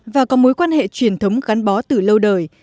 và có mối quan hệ truyền thống gắn bó từ lâu đời